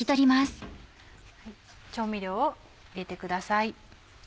調味料を入れてください。